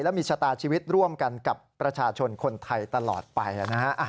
และมีชะตาชีวิตร่วมกันกับประชาชนคนไทยตลอดไปนะฮะ